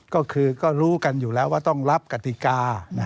ก็คือก็รู้กันอยู่แล้วว่าต้องรับกติกา